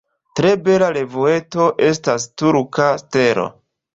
Tre bela revueto estas Turka Stelo.